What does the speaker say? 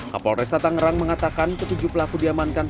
kapolresta tangerang mengatakan ketujuh pelaku diamankan